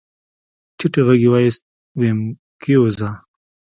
ټيټ غږ يې واېست ويم کېوځه.